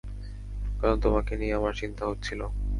কারণ তোমাকে নিয়ে আমার চিন্তা হচ্ছিল।